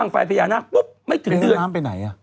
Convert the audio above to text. ไปให้น้ำไปไหนอะ